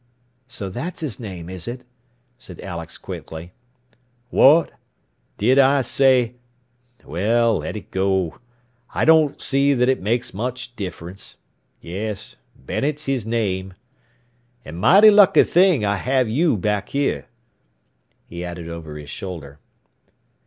"So that's his name, is it?" said Alex quickly. "What? Did I say Well, let it go. I don't see that it makes much difference. Yes, Bennet's his name. "And mighty lucky thing I have you back here," he added over his shoulder.